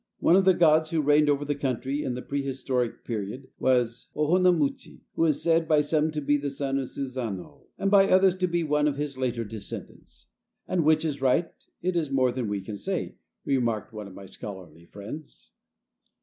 One of the gods who reigned over the country in the prehistoric period was Ohonamuchi, who is said by some to be the son of Susanoo, and by others to be one of his later descendants; "And which is right, it is more than we can say," remarked one of my scholarly friends.